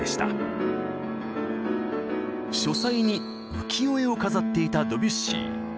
書斎に浮世絵を飾っていたドビュッシー。